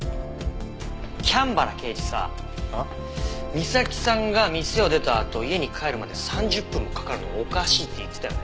みさきさんが店を出たあと家に帰るまで３０分もかかるのはおかしいって言ってたよね？